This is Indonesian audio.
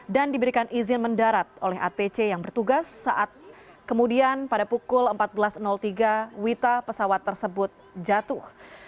dan diberikan izin mendarat oleh atc yang bertugas saat kemudian pada pukul empat belas tiga wita pesawat tersebut jatuh